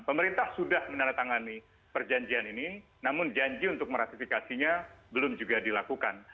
pemerintah sudah menandatangani perjanjian ini namun janji untuk meratifikasinya belum juga dilakukan